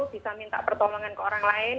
bisa minta pertolongan ke orang lain